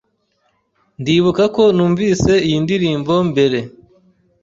Ndibuka ko numvise iyi ndirimbo mbere.